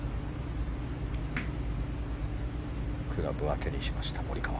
クラブは手にしましたモリカワ。